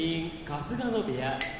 春日野部屋